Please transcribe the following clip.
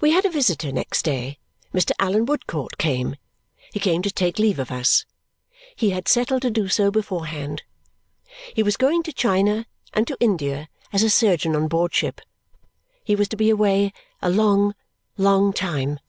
We had a visitor next day. Mr. Allan Woodcourt came. He came to take leave of us; he had settled to do so beforehand. He was going to China and to India as a surgeon on board ship. He was to be away a long, long time.